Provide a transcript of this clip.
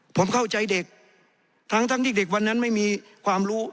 ผมเข้าใจเด็กทั้งที่เด็กวันนั้นไม่มีความรู้